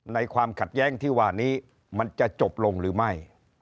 ความขัดแย้งที่ว่านี้มันจะจบลงหรือไม่